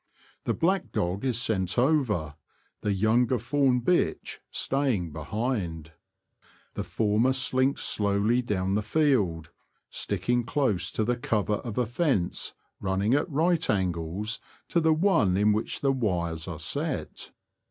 The black dog is sent over, the younger fawn bitch staying behind. The former slinks slowly down the field, sticking close to the cover of a fence running at right angles to the one in which the wires are set.